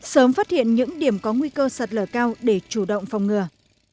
sớm phát hiện những điểm có nguy cơ sạt lở cao để chủ động phòng ngừa